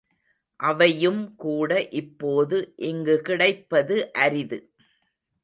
அவையும்கூட இப்போது இங்கு கிடைப்பது அரிது.